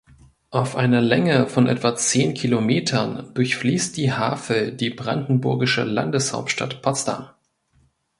Auf einer Länge von etwa zehn Kilometern durchfließt die Havel die brandenburgische Landeshauptstadt Potsdam.